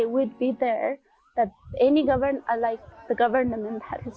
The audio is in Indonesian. bahwa pemerintah yang menjadikan mereka bisa membawa keamanan